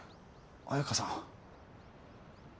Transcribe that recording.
彩佳さん。